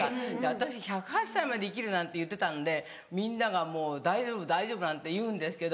私１０８歳まで生きるなんて言ってたんでみんながもう大丈夫大丈夫なんて言うんですけど。